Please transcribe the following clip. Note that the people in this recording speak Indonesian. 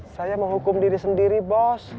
saya menghukum diri sendiri bos